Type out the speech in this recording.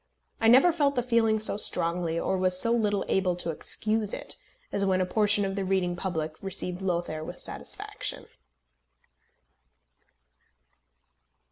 I never felt the feeling so strongly, or was so little able to excuse it, as when a portion of the reading public received Lothair with satisfaction.